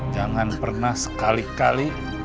jangan pernah sekali kali